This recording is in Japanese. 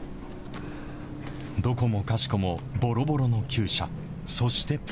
どこもかしこもぼろぼろのきゅう舎、そして。